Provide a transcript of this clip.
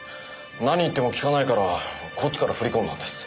何言っても聞かないからこっちから振り込んだんです。